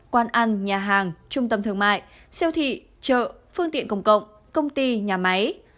quán ăn nhà hàng trung tâm thương mại siêu thị chợ phương tiện công cộng công ty nhà máy